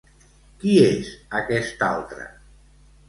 Qui és aquest altre?